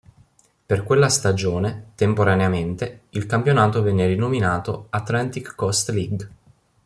Per quella stagione, temporaneamente, il campionato venne rinominato Atlantic Coast League.